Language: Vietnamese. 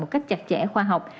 một cách chặt chẽ khoa học